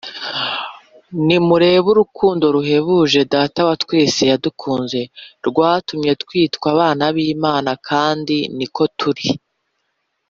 Nimurebe urukundo ruhebuje Data wa twese yadukunze, rwatumye twitwa abana b’Imana kandi ni ko turi.